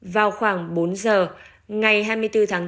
vào khoảng bốn giờ ngày hai mươi bốn tháng bốn